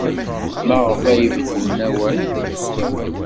Maɣef ay beddlen awal?